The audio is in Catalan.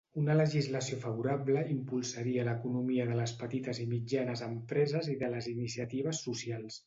Una legislació favorable impulsaria l'economia de les petites i mitjanes empreses i les iniciatives socials.